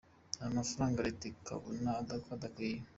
Ayo mafaranga reta ikabona ko adakwiye.